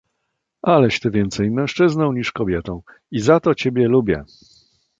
"aleś ty więcej mężczyzną niż kobietą i za to ciebie lubię!"